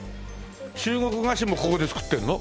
中国菓子もここで作ってるの？